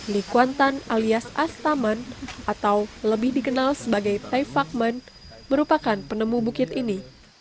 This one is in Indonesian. likuantan alias astaman atau lebih dikenal sebagai taifakman merupakan penemu bukit ini